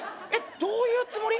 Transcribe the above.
どういうつもり？